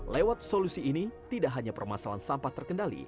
lewat solusi ini tidak hanya permasalahan sampah terkendali